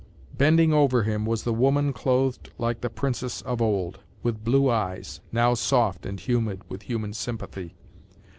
Bending over him was the woman clothed like the princess of old, with blue eyes, now soft and humid with human sympathy.